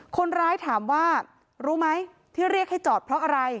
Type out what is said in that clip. คนร้ายถามว่ารู้ไหมที่เรียกให้จอดเพราะอะไร